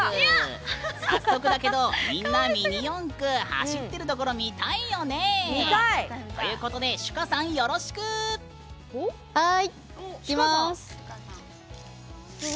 早速だけど、みんな、ミニ四駆走ってるところ、見たいよね？ということでシュカさん、よろしく！いきます！